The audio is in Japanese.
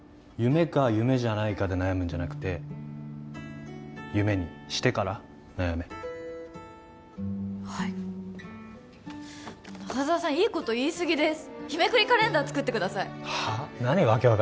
夢か夢じゃないかで悩むんじゃなくて夢にしてから悩めはい中沢さんいいこと言いすぎです日めくりカレンダー作ってくださいはあ？